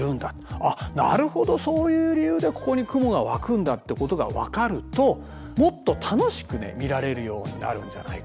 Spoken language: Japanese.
あっなるほどそういう理由でここに雲が湧くんだってことが分かるともっと楽しく見られるようになるんじゃないかな。